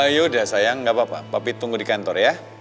yaudah sayang gak apa apa papi tunggu di kantor ya